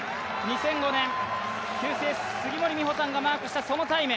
２００５年、旧姓・杉森美保さんがマークしたそのタイム。